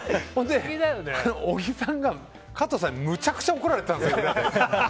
小木さんが加藤さんにむちゃくちゃ怒られてたんですよ。